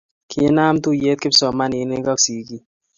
kinam tuyee kipsomaninik ak sikik